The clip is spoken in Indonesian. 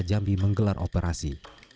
jambi menggelar operasi